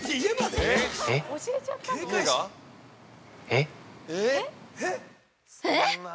◆えっ、えっ！？